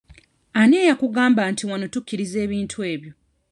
Ani yakugamba nti wano tukkiriza ebintu ebyo?